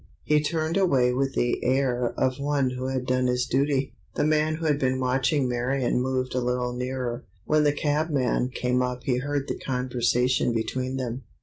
He turned away with the air of one who had done his duty. The man who had been watching Marion moved a little nearer. When the cabman came up he heard the conversation between them.